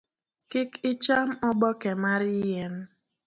Kik icham oboke mar yien.